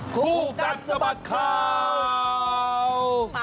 คู่กันสมัติข่าว